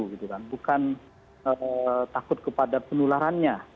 bukan takut kepada penularannya